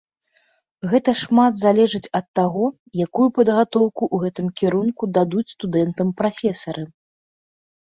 Гэта шмат залежыць ад таго, якую падгатоўку ў гэтым кірунку дадуць студэнтам прафесары.